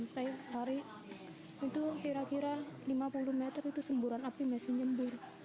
saya lari itu kira kira lima puluh meter itu semburan api masih nyembur